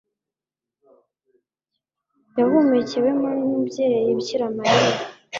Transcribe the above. yahumekewemo n'umubyeyi bikira mariya